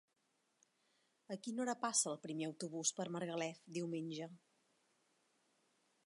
A quina hora passa el primer autobús per Margalef diumenge?